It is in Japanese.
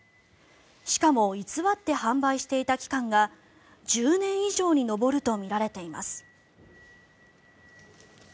しかも偽って販売していた期間が１０年以上に上るとみられています。